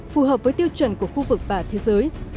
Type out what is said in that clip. phù hợp với tiêu chuẩn của khu vực và thế giới